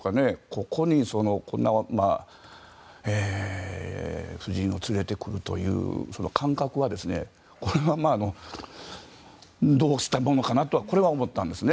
ここに夫人を連れてくるという感覚はどうしたものかなとは思ったんですね。